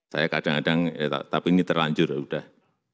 saya kadang kadang tapi ini terlanjur sudah